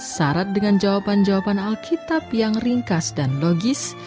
syarat dengan jawaban jawaban alkitab yang ringkas dan logis